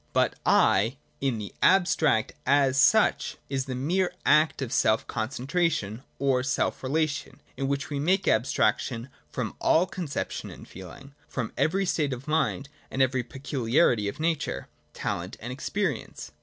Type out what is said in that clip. But ' I,' in the abstract, as such, is the mere act of self concentration or self relation, in which we make abstraction from all conception and feeling, from every state of mind and every peculiarity of nature, talent, and experience.